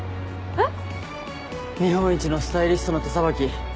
えっ？